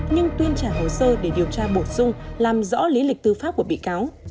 nhưng tuyên trả hồ sơ để điều tra bổ sung làm rõ lý lịch tư pháp của bị cáo